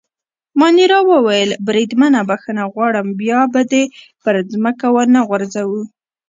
مانیرا وویل: بریدمنه بخښنه غواړم، بیا به دي پر مځکه ونه غورځوو.